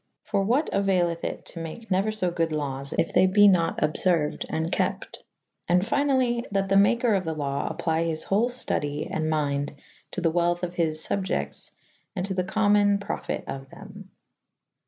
For what auayleth it to make neuer fo good lawes if they be nat obferuyd and kepte. And fynally that the maker of the lawe apply his hole ftudye and mynde to the welth of his fubiectes and to the commune [A vii a] profyte of them.